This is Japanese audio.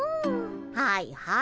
はいはい。